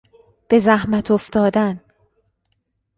به زحمت افتادن